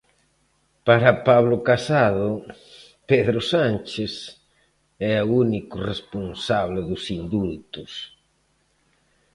Para Pablo Casado, Pedro Sánchez é o único responsable dos indultos.